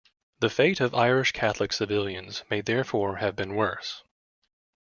The fate of Irish Catholic civilians may therefore have been worse.